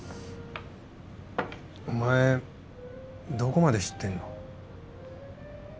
お前どこまで知ってんの？